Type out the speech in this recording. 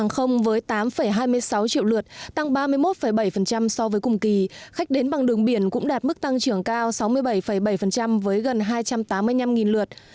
khách quốc tế là bốn triệu lượt